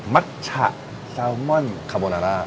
มัชชะแซลมอนคาโบนาร่า